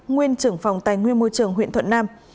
nguyên trưởng phòng tài nguyên môi trường huyện thuận nam